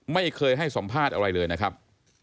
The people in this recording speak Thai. ไม่เคยให้สัมภาษณ์อะไรเลยนะครับ